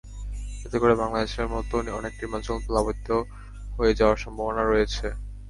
এতে করে বাংলাদেশের মতো অনেক নিম্নাঞ্চল প্লাবিত হয়ে যাওয়ার সম্ভাবনা রয়েছে।